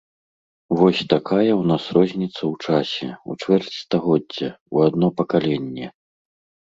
Вось такая ў нас розніца ў часе, у чвэрць стагоддзя, у адно пакаленне.